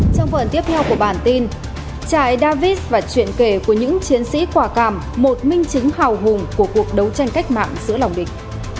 trong phần tiếp theo của bản tin trại david và chuyện kể của những chiến sĩ quả cảm một minh chứng hào hùng của cuộc đấu tranh cách mạng giữa lòng địch